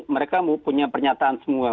mereka punya pernyataan semua